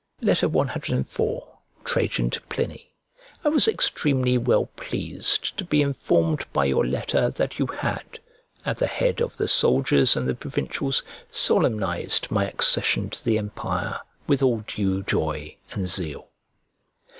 CIV TRAJAN TO PLINY I WAS extremely well pleased to be informed by your letter that you had, at the head of the soldiers and the provincials, solemnised my accession to the empire with all due joy and zeal.